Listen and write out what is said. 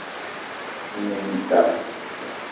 Me ne mintak